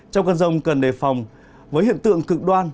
trong cơn rông cần đề phòng với hiện tượng cực đoan